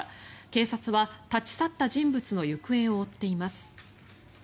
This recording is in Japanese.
警察は立ち去った人物の行方を追っています。